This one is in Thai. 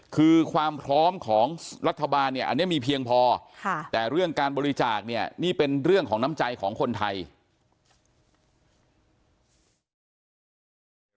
คือความพร้อมของรัฐบาลเนี่ยอันนี้มีเพียงพอแต่เรื่องการบริจาคเนี่ยนี่เป็นเรื่องของน้ำใจของคนไทย